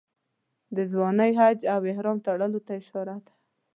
د ځوانۍ حج او احرام تړلو ته اشاره ده.